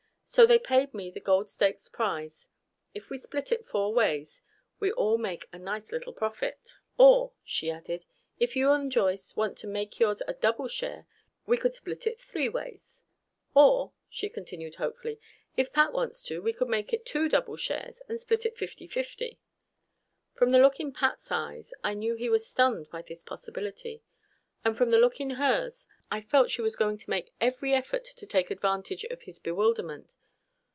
So they paid me the Gold Stakes prize. If we split it four ways, we all make a nice little profit. "Or," she added, "if you and Joyce want to make yours a double share, we could split it three ways. "Or," she continued hopefully, "if Pat wants to, we could make two double shares, and split it fifty fifty?" From the look in Pat's eyes I knew he was stunned by this possibility. And from the look in hers, I felt she was going to make every effort to take advantage of his bewilderment.